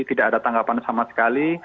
tidak ada tanggapan sama sekali